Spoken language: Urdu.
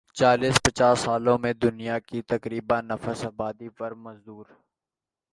چالیس پچاس سالوں میں دنیا کی تقریبا نصف آبادی پر مزدور